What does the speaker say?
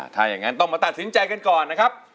ถ้าอย่างนั้นต้องมาตัดสินใจกันก่อนนะครับ